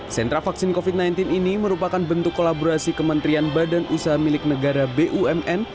sentra vaksin covid sembilan belas ini merupakan bentuk kolaborasi kementerian badan usaha milik negara bumn